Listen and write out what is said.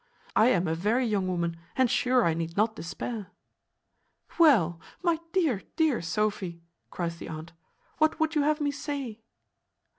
I am a very young woman, and sure I need not despair." "Well, my dear, dear Sophy," cries the aunt, "what would you have me say?"